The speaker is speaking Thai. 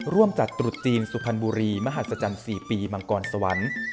ร่วมจัดตรุษจีนสุพรรณบุรีมหัศจรรย์๔ปีมังกรสวรรค์